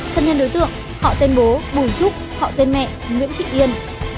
thân nhân đối tượng họ tên bố bùi trúc họ tên mẹ nguyễn thị yên